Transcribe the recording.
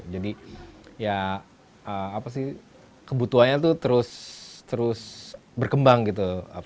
jadi ya kebutuhannya terus berkembang gitu